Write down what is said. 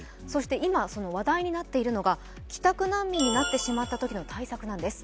今話題になっているのが帰宅難民になってしまったときの対策なんです。